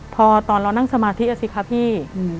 พอตอนเรานั่งสมาธิอ่ะสิคะพี่